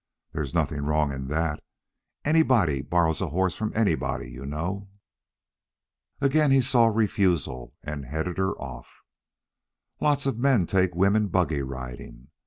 There's nothing wrong in that. Anybody borrows a horse from anybody, you know." Agin he saw refusal, and headed her off. "Lots of men take women buggy riding.